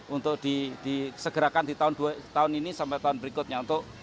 untuk disegerakan di tahun ini sampai tahun berikutnya